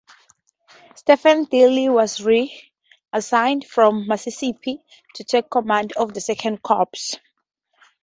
Stephen D. Lee was reassigned from Mississippi to take command of the Second Corps.